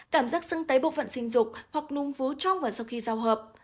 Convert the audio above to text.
cảm giác sưng tấy bộ phận sinh dục hoặc nùng vú trong và sau khi giao hợp